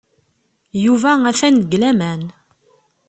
Yuba atan deg laman.